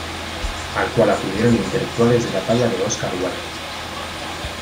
Al cual acudieron intelectuales de la talla de Oscar Wilde.